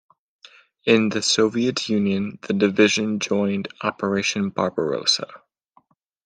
In the Soviet Union, the division joined Operation Barbarossa.